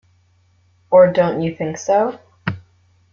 Or don't you think so?